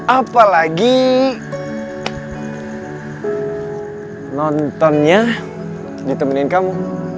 apalagi nontonnya ditemenin kamu